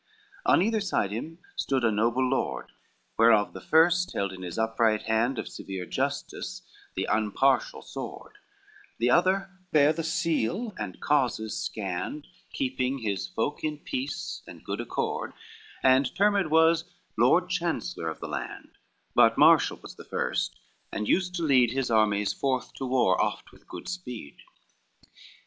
XII On either side him stood a noble lord, Whereof the first held in his upright hand Of severe justice the unpartial sword; The other bare the seal, and causes scanned, Keeping his folk in peace and good accord, And termed was lord chancellor of the land; But marshal was the first, and used to lead His armies forth to war, oft with good speed.